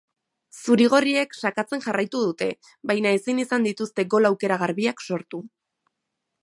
Zuri-gorriek sakatzen jarraitu dute, baina ezin izan dituzte gol aukera garbiak sortu.